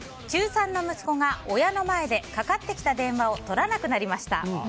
中３の息子が親の前でかかってきた電話を取らなくなりました。